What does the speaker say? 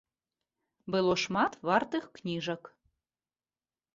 Было шмат вартых кніжак.